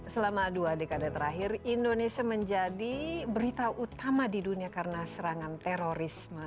selama dua dekade terakhir indonesia menjadi berita utama di dunia karena serangan terorisme